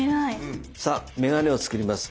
さあ眼鏡を作ります。